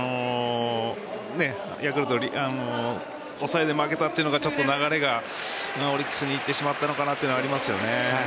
ヤクルト抑えで負けたというのがちょっと流れがオリックスに行ってしまったのかなというのはありますね。